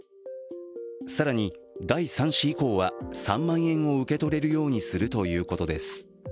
更に、第３子以降は３万円を受け取れるようにするということです。